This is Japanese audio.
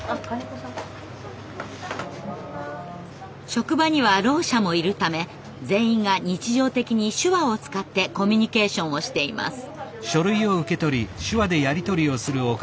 職場にはろう者もいるため全員が日常的に手話を使ってコミュニケーションをしています。